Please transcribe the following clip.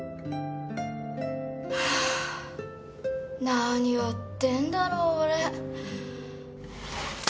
何やってんだろ俺。